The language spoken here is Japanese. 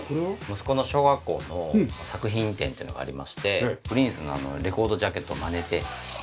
息子の小学校の作品展っていうのがありましてプリンスのレコードジャケットをまねて色々。